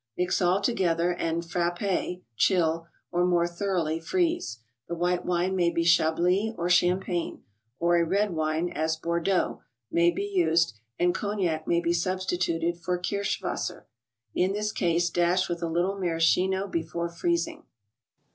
Mix all together and frafiftt (chill) or more thoroughly freeze. The white wine may be Chablis or Champagne; or a red wine, as Bordeaux, may be used and Cognac may be substituted for Kirschwasser ; in this case dash with a little Maraschino before freezing.